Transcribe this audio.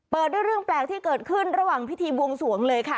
เปิดด้วยเรื่องแปลกที่เกิดขึ้นระหว่างพิธีบวงสวงเลยค่ะ